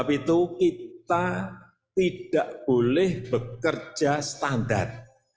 sebab itu kita tidak boleh bekerja standar